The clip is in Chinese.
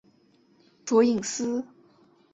卓颖思。